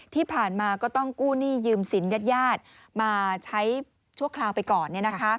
ที่ผ่านมาก็ต้องกู้หนี้ยืมสินญาติมาใช้ชั่วคราวไปก่อน